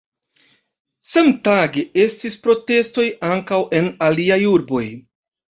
Samtage estis protestoj ankaŭ en aliaj urboj.